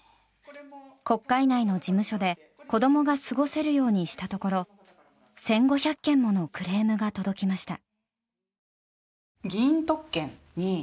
国会内の事務所で子供が過ごせるようにしたところ１５００件ものクレームが届きました。